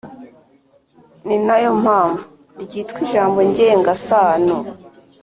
nina yo mpamvu ryitwa ijambo ngengasano.